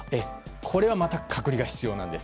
これはまた隔離が必要なんです。